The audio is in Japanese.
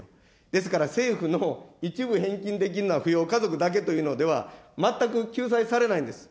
ですから政府、一部返金できるのは扶養家族だけというのでは、全く救済されないんです。